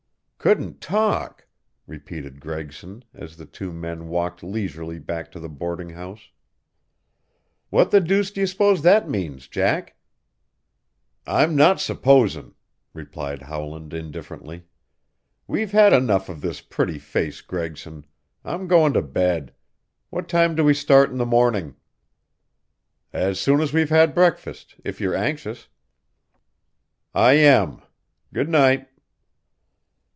"Couldn't talk!" repeated Gregson, as the two men walked leisurely back to the boarding house. "What the deuce do you suppose that means, Jack?" "I'm not supposing," replied Howland indifferently. "We've had enough of this pretty face, Gregson. I'm going to bed. What time do we start in the morning?" "As soon as we've had breakfast if you're anxious." "I am. Good night."